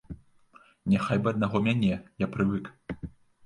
Няхай бы аднаго мяне, я прывык.